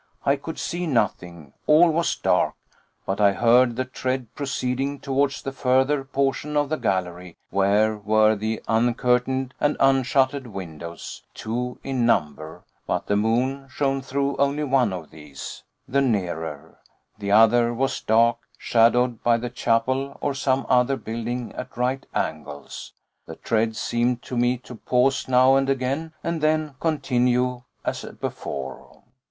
I could see nothing, all was dark; but I heard the tread proceeding towards the further portion of the gallery where were the uncurtained and unshuttered windows, two in number; but the moon shone through only one of these, the nearer; the other was dark, shadowed by the chapel or some other building at right angles. The tread seemed to me to pause now and again, and then continue as before.